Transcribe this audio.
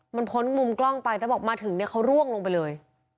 มันพ้นมุมกล้องไปแล้วบอกมาถึงเนี่ยเขาร่วงลงไปเลย